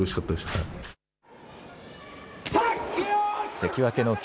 関脇の霧